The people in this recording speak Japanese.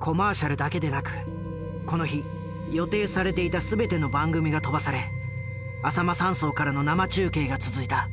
コマーシャルだけでなくこの日予定されていた全ての番組が飛ばされあさま山荘からの生中継が続いた。